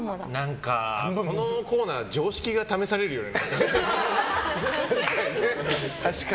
このコーナー常識が試されるよね。